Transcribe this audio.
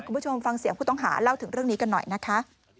คุณผู้ชมฟังเสียงผู้ต้องหาเล่าถึงเรื่องนี้กันหน่อยนะคะ